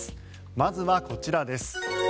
まずはこちらです。